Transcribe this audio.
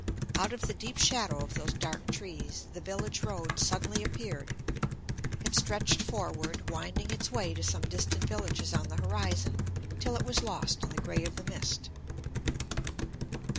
Out of the deep shadow of those dark trees the village road suddenly appeared. It stretched forward, winding its way to some distant villages on the horizon, till it was lost in the grey of the mist.